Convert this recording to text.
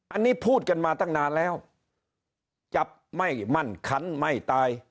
อันนี้พูดกันมาตั้งนานแล้วจับไม่มั่นคันไม่ตาย